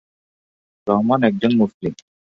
রহমান একজন মুসলিম।